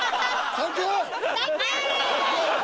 サンキュー！